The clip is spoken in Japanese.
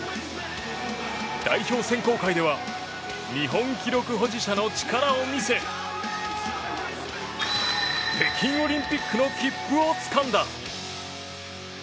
代表選考会では日本記録保持者の力を見せ北京オリンピックの切符をつかんだ。